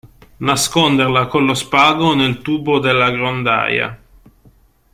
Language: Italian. Nasconderla con lo spago nel tubo della grondaia.